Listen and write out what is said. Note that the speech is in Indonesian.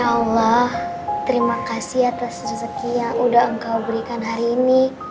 ya allah terima kasih atas rezeki yang udah engkau berikan hari ini